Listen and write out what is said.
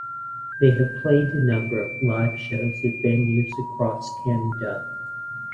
They have played a number of live shows at venues across Canada.